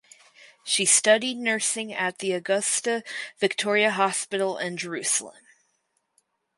She studied nursing at the Augusta Victoria Hospital in Jerusalem.